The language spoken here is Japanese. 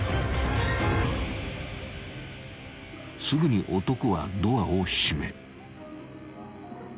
［すぐに男はドアを閉め］